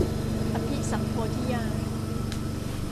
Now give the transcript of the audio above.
อภิสัมโพธิญาณ